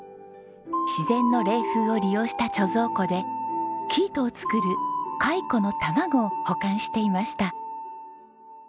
自然の冷風を利用した貯蔵庫で生糸を作る蚕の卵を保管していました。